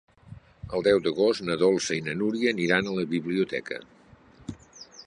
El deu d'agost na Dolça i na Núria aniran a la biblioteca.